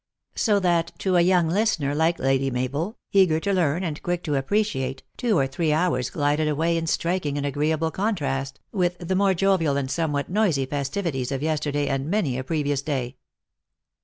So that, to a young listener like Lady Mabel, eager to learn and quick to appre ciate, two or three hours glided away in striking and agreeable contrast with the more jovial and somewhat noisy festivities of yesterday and many a previous day.